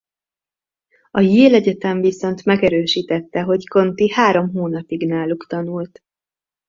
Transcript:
A Yale Egyetem viszont megerősítette hogy Conti három hónapig náluk tanult.